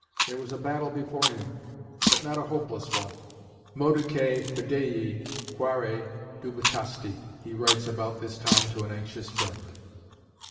There was a battle before him, but not a hopeless one. "Modicæ fidei, quare dubitasti" he writes about this time to an anxious friend.